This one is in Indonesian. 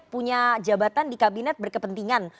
punya jabatan di kabinet berkepentingan